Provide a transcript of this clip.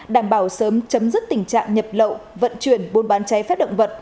đảm bảo sớm chấm dứt tình trạng nhập lậu vận chuyển buôn bán cháy phép động vật